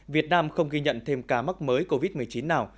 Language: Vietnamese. việt nam không ghi nhận thêm ca mắc mới covid một mươi chín nào